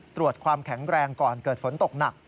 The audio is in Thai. ตรวจความแข็งแรงก่อนเกิดฝนตกหนัก